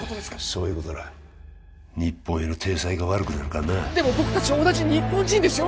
そういうことだな日本への体裁が悪くなるからなでも僕たちは同じ日本人ですよ